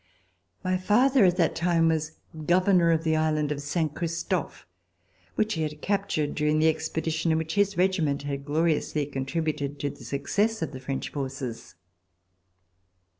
My father at that time was Governor of the island of Saint Christophe, which he had captured during the expedition in which his regi ment had gloriously contributed to the success of the French forces.